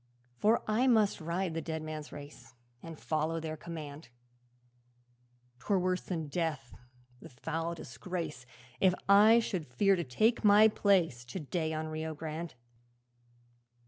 'For I must ride the dead men's race, And follow their command; 'Twere worse than death, the foul disgrace If I should fear to take my place To day on Rio Grande.'